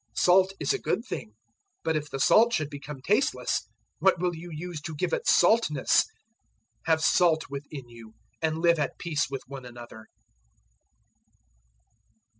009:050 Salt is a good thing, but if the salt should become tasteless, what will you use to give it saltness? Have salt within you and live at peace with one another."